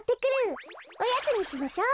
おやつにしましょう。